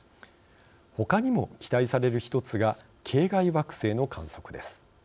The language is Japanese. ほかにも期待される一つが系外惑星の観測です。